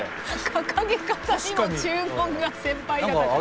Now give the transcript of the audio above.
掲げ方にも注文が先輩方からの。